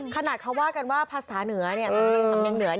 ขนาดเขาว่ากันว่าพรรษฐาเหนือสำเนียงเหนือ